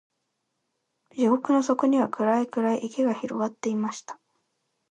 地獄の底には、暗い暗い池が広がっていました。